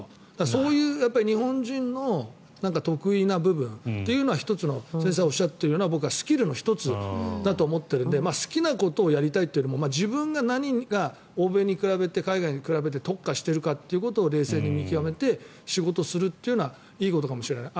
そういう日本人の得意な部分というのは１つの先生がおっしゃっているようなスキルの１つだと思っているので好きなことをやりたいというよりも自分が、何が欧米に比べて海外に比べて特化しているかを冷静に見極めて仕事をするというのはいいことかもしれない。